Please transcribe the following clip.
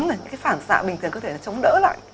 những cái phản xạ bình thường cơ thể nó chống đỡ lại